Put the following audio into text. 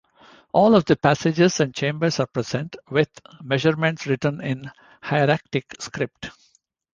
All of the passages and chambers are present, with measurements written in hieratic script.